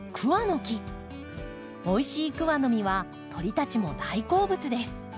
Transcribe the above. おいしいクワの実は鳥たちも大好物です。